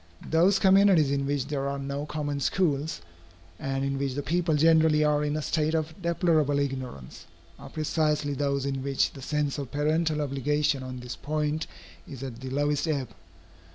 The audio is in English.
Those communities in which there are no common schools, and in which the people generally are in a state of deplorable ignorance, are precisely those in which the sense of parental obligation on this point is at the lowest ebb.